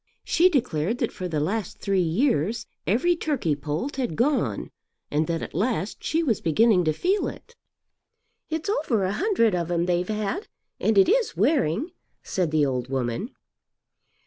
She declared that for the last three years every turkey poult had gone, and that at last she was beginning to feel it. "It's over a hundred of 'em they've had, and it is wearing," said the old woman.